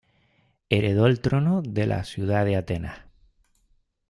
Heredó el trono de la ciudad de Atenas.